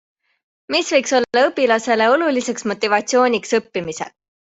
Mis võiks olla õpilasele oluliseks motivatsiooniks õppimisel?